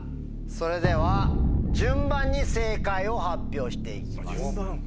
それでは順番に正解を発表して行きます。